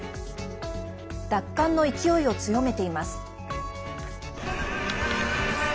奪還の勢いを強めています。